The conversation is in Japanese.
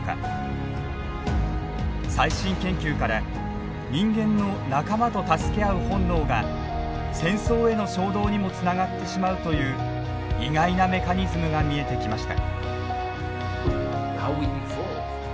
最新研究から人間の仲間と助け合う本能が戦争への衝動にもつながってしまうという意外なメカニズムが見えてきました。